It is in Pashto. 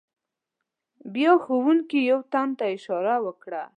بیا ښوونکي یو تن ته اشاره وکړه.